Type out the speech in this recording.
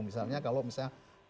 misalnya kalau misalnya